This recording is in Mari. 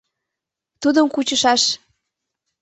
— Тудым кучышаш!..